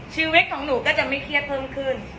ชีวิตของหนูก็จะไม่เครียดเพิ่มขึ้น